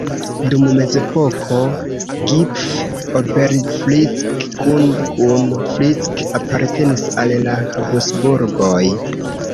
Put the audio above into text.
Dum mezepoko Gipf-Oberfrick kune kun Frick apartenis al la Habsburgoj.